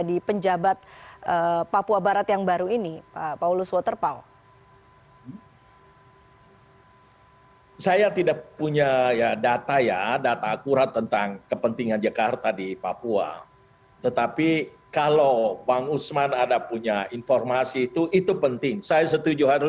di penjabat papua barat yang baru ini pak paulus waterpal